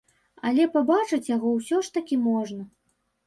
Але пабачыць яго ўсё ж такі можна.